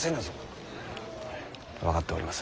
分かっております。